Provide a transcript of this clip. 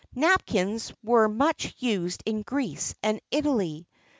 [XXXII 76] Napkins were much used in Greece and Italy.